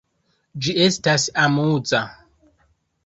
Ĝi estas amuza.